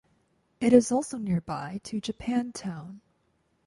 It is also nearby to Japantown.